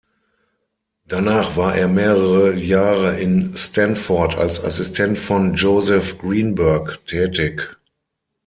Danach war er mehrere Jahre in Stanford als Assistent von Joseph Greenberg tätig.